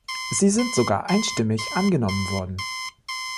Sie sind sogar einstimmig angenommen worden.